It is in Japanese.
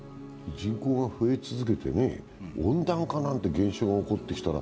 人口が増え続けて、温暖化なんて現象が起こってきたら